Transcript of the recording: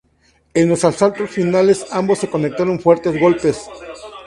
En los asaltos finales ambos se conectaron fuertes golpes.